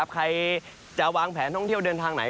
ใครจะวางแผนท่องเที่ยวเดินทางไหน